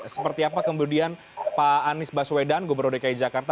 seperti apa kemudian pak anies baswedan gubernur dki jakarta